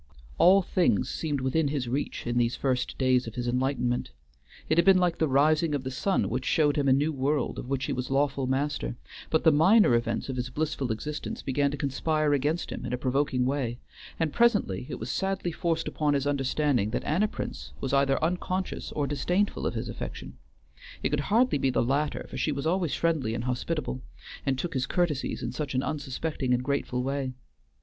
All things seemed within his reach in these first days of his enlightenment: it had been like the rising of the sun which showed him a new world of which he was lawful master, but the minor events of his blissful existence began to conspire against him in a provoking way, and presently it was sadly forced upon his understanding that Anna Prince was either unconscious or disdainful of his affection. It could hardly be the latter, for she was always friendly and hospitable, and took his courtesies in such an unsuspecting and grateful way.